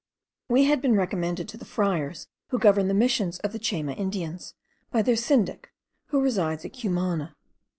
We had been recommended to the friars who govern the Missions of the Chayma Indians, by their syndic, who resides at Cumana.